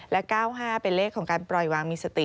และ๙๕เป็นเลขของการปล่อยวางมีสติ